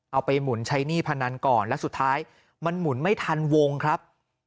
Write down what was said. หมุนใช้หนี้พนันก่อนและสุดท้ายมันหมุนไม่ทันวงครับ